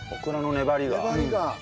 粘りが。